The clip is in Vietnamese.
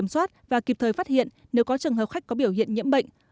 soát và kịp thời phát hiện nếu có trường hợp khách có biểu hiện nhiễm bệnh